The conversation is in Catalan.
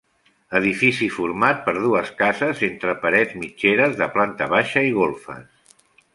Edifici format per dues cases entre parets mitgeres, de planta baixa i golfes.